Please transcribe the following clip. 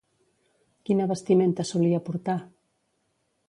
Quina vestimenta solia portar?